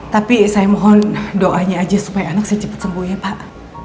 tapi saya mohon doanya aja supaya anak saya cepat sembuh ya pak